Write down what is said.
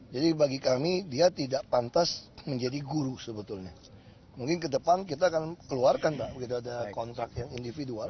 jadi bagi kami dia tidak pantas menjadi guru sebetulnya mungkin ke depan kita akan keluarkan kita ada kontrak yang individual